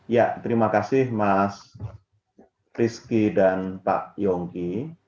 ya terima kasih mas rizky dan pak yongki